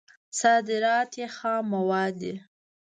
صادرات یې خام مواد دي.